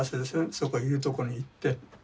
そこいるとこに行って。